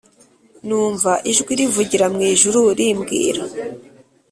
Numva ijwi rivugira mu ijuru rimbwira